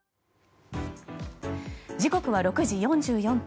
時刻は６時４４分。